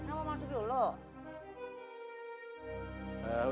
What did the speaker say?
aku mau masuk dulu